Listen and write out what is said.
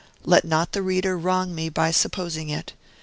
Let not the reader wrong me by supposing it.